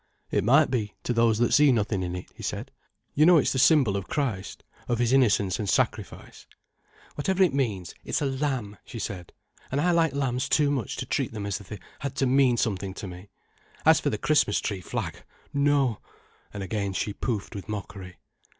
"It might be, to those that see nothing in it," he said. "You know it's the symbol of Christ, of His innocence and sacrifice." "Whatever it means, it's a lamb," she said. "And I like lambs too much to treat them as if they had to mean something. As for the Christmas tree flag—no——" And again she poufed with mockery.